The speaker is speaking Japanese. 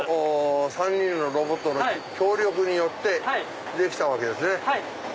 ３人のロボットの協力によってできたわけですね。